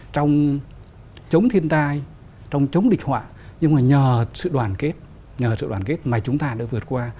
trong chống thiên tai trong chống địch họa nhưng mà nhờ sự đoàn kết nhờ sự đoàn kết mà chúng ta đã vượt qua